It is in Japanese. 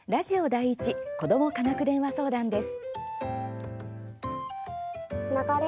第１「子ども科学電話相談」です。